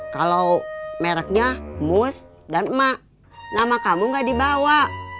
kalau mereknya mus dan emak nama kamu gak dibawa